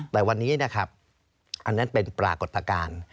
แต่วันนี้นะครับอันนั้นเป็นปรากฏการณ์